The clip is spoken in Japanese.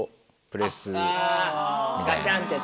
ガチャンってやって。